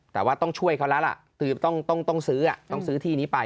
แต่ว่าต้องช่วยเขาแล้วล่ะคือต้องซื้อต้องซื้อที่นี้ไป